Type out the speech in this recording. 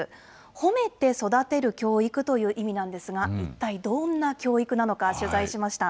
褒めて育てる教育という意味なんですが、一体どんな教育なのか、取材しました。